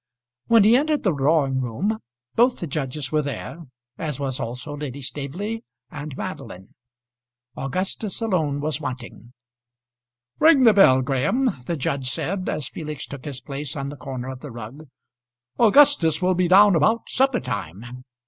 When he entered the drawing room both the judges were there, as was also Lady Staveley and Madeline. Augustus alone was wanting. "Ring the bell, Graham," the judge said, as Felix took his place on the corner of the rug. "Augustus will be down about supper time."